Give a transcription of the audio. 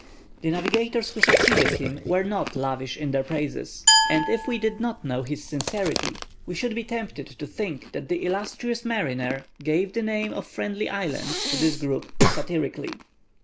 The navigators who succeeded him were not lavish in their praises, and if we did not know his sincerity, we should be tempted to think that the illustrious mariner gave the name of Friendly Islands to this group satirically.